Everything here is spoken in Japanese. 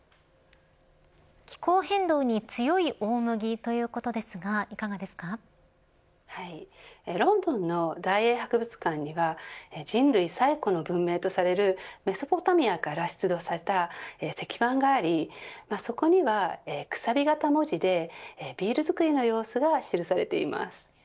気候変動に強い大麦ということですがロンドンの大英博物館には人類最古の文明とされるメソポタミアから出土された石板がありそこには、くさび形文字でビール造りの様子が記されています。